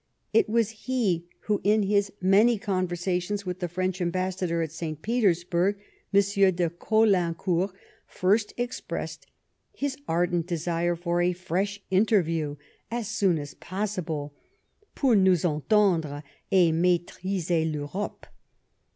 It was he who, in his many conversations with the French ambassador at St. Petersburg, M. de Caulaincourt, first expressed his ardent desire, for a fresh interview as soon as possible, 2^our nous entendre, et maitriser VEuroj^e."